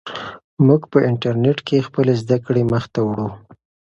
موږ په انټرنیټ کې خپلې زده کړې مخ ته وړو.